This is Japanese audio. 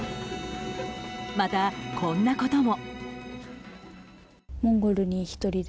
また、こんなことも。